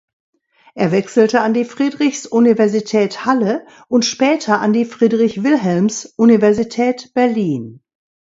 Er wechselte an die Friedrichs-Universität Halle und später an die Friedrich-Wilhelms-Universität Berlin.